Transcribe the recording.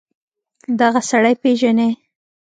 دغه سړى پېژنې.